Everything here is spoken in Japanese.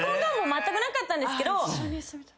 まったくなかったんですけど。